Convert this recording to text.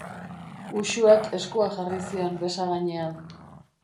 Uxuek eskua jarri zion besagainean.